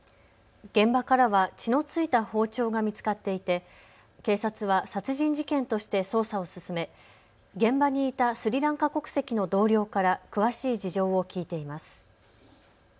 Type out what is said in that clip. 現場からは血の付いた包丁が見つかっていて警察は殺人事件として捜査を進め現場にいたスリランカ国籍の同僚から詳しい事情を聴いています。